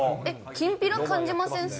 きんぴら感じません？